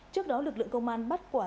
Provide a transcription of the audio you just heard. trước đó lực lượng công an bắt quả